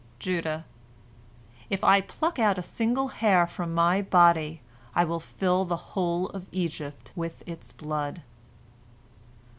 Judah: "If I pluck out a single hair from my body, I will fill the whole of Egypt with its blood."